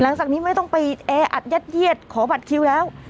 หลังจากนี้ไม่ต้องไปแออัดยัดเยียดขอบัตรคิวแล้ว